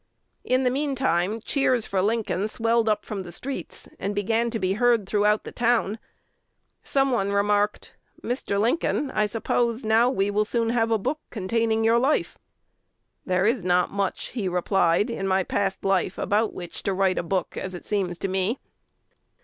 In the mean time cheers for Lincoln swelled up from the streets, and began to be heard throughout the town. Some one remarked, "Mr. Lincoln, I suppose now we will soon have a book containing your life." "There is not much," he replied, "in my past life about which to write a book, as it seems to me."